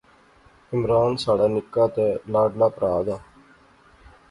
عمران ساڑا نکا تے لاڈلا پرہا دا